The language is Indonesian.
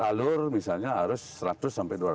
alur misalnya harus seratus sampai dua ratus